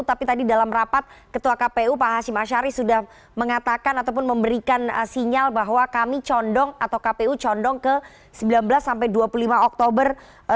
tapi tadi dalam rapat ketua kpu pak hashim ashari sudah mengatakan ataupun memberikan sinyal bahwa kami condong atau kpu condong ke sembilan belas sampai dua puluh lima oktober dua ribu dua puluh